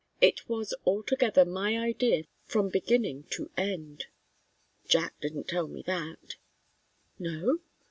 "It was altogether my idea from beginning to end " "Jack didn't tell me that " "No?"